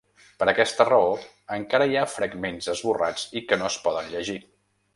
Per aquesta raó encara hi ha fragments esborrats i que no es poden llegir.